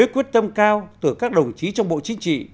quyết tâm cao từ các đồng chí trong bộ chính trị